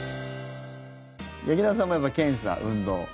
劇団さんもやっぱり検査、運動？